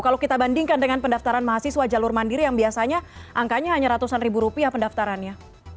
kalau kita bandingkan dengan pendaftaran mahasiswa jalur mandiri yang biasanya angkanya hanya ratusan ribu rupiah pendaftarannya